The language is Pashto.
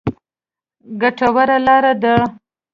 ګټوره لاره ده.